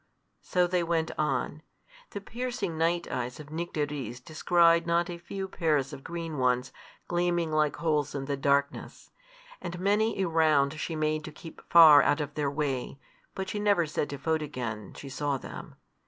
So they went on. The piercing night eyes of Nycteris descried not a few pairs of green ones gleaming like holes in the darkness, and many a round she made to keep far out of their way; but she never said to Photogen she saw them.